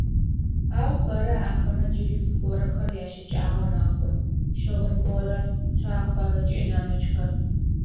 Ау бэрэ ахэмэ джыри зыгорэхэр ящыкӏагъэ мэхъу: щыгъын горэ, цуакъэ ыкӏи нэмыкӏхэр.